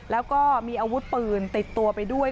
แล้วก็มีอาวุธปืนติดตัวไปด้วย